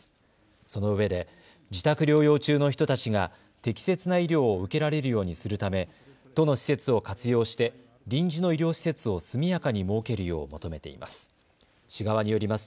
そのうえで自宅療養中の人たちが適切な医療を受けられるようにするため都の施設を活用して臨時の医療施設を速やかに設けるよう求めています。